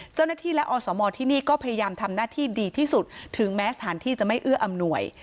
เจ้าหน้าที่และอสมที่นี่ก็พยายามทำหน้าที่ดีที่สุดถึงแม้สถานที่จะไม่เอื้ออำนวย